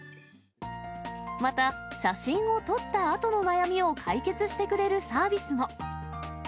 また写真を撮ったあとの悩みを解決してくれるサービスも。